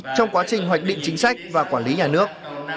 trong quá trình hoạch định chính sách và quản lý nhà nước